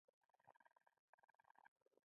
د حافظ الپورئ تصوف